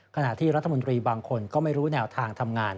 ขณะที่รัฐมนตรีบางคนก็ไม่รู้แนวทางทำงาน